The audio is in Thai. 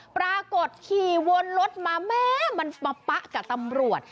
ปรากฏขี่วนรถมาแม่มันมาปะกับตำรวจ